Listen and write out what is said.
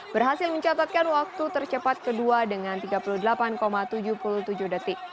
berhasil mencatatkan waktu tercepat kedua dengan tiga puluh delapan tujuh puluh tujuh detik